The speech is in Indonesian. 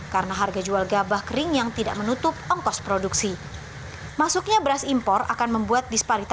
karena harga penjualan beras menurut dwi juga terus merugikan petani